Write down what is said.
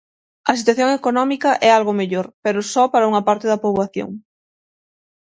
A situación económica é algo mellor, pero só para unha parte da poboación.